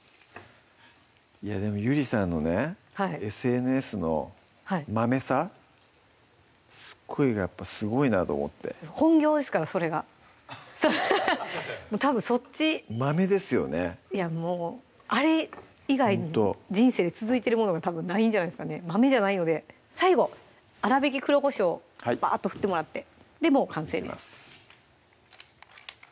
いやでもゆりさんのねＳＮＳのまめさすごいなと思って本業ですからそれがたぶんそっちまめですよねあれ以外人生で続いてるものがたぶんないんじゃないですかねまめじゃないので最後粗びき黒こしょうバッと振ってもらってもう完成です